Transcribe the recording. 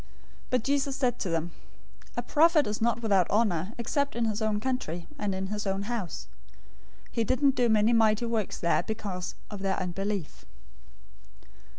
But Jesus said to them, "A prophet is not without honor, except in his own country, and in his own house." 013:058 He didn't do many mighty works there because of their unbelief.